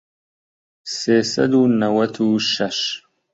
سێ سەد و نەوەت و شەش